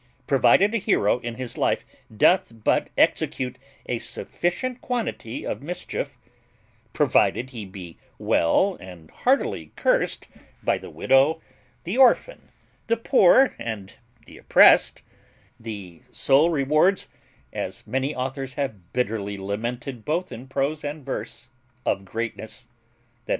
Provided a hero in his life doth but execute a sufficient quantity of mischief; provided he be but well and heartily cursed by the widow, the orphan, the poor, and the oppressed (the sole rewards, as many authors have bitterly lamented both in prose and verse, of greatness, i. e.